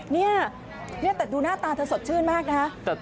เนี่ยแต่ดูหน้าตาเธอสดชื่นมากนะ